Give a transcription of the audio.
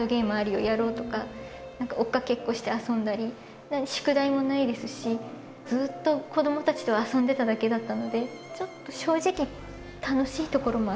やろう」とか追っかけっこして遊んだり宿題もないですしずっと子どもたちと遊んでただけだったのでちょっと正直楽しいところもありました。